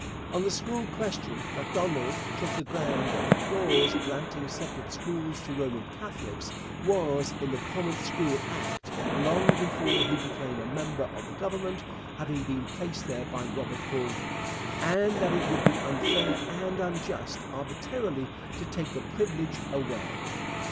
On the school question Macdonald took the ground that the clause granting separate schools to Roman Catholics was in the Common School Act long before he became a member of the government having been placed there by Robert Baldwin and that it would be unfair and unjust arbitrarily to take the privilege away.